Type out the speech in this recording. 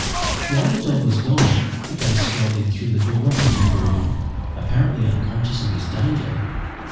While the dog was gone, the ghost strolled in through the door of the end room, apparently unconscious of his danger.